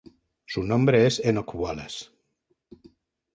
Su nombre es Enoch Wallace.